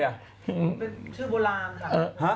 เป็นชื่อโบราณค่ะ